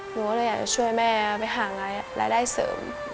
หนูก็เลยอยากจะช่วยแม่ไปหารายได้เสริม